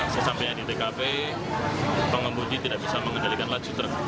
sesampingnya di tkp pengambuti tidak bisa mengendalikan laju truk